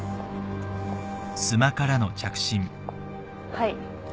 はい。